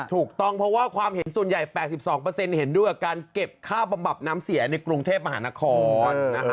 ถูกต้องเพราะว่าความเห็นส่วนใหญ่๘๒เห็นด้วยกับการเก็บค่าบำบับน้ำเสียในกรุงเทพมหานคร